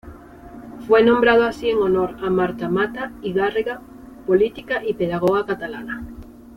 Fue nombrado así en honor a Marta Mata i Garriga, política y pedagoga catalana.